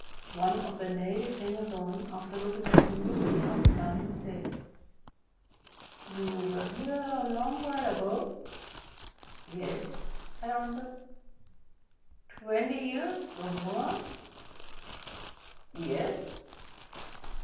One of the native hangers on, after looking at me for some time, said: — "You were here a long while ago?" "Yes," I answered. "Twenty years, or more?" "Yes."